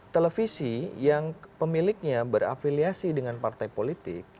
televisi yang pemiliknya berafiliasi dengan partai politik